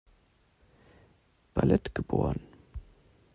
Ballet geboren.